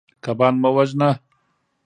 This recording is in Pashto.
کبان مه وژنه.